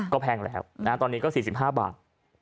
ก็แพงแล้วนะตอนนี้ก็๔๕บาท